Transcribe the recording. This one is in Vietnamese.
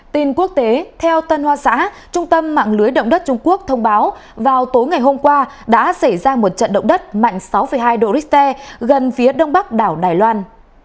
tin quốc tế theo tân hoa xã trung tâm mạng lưới động đất trung quốc thông báo vào tối ngày hôm qua đã xảy ra một trận động đất mạnh sáu hai độ richter gần phía đông bắc đảo đài loan